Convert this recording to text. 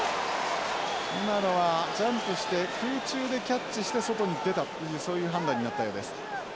今のはジャンプして空中でキャッチして外に出たというそういう判断になったようです。